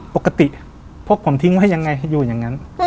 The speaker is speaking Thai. ปกติพวกผมทิ้งไว้ยังไงอยู่อย่างนั้น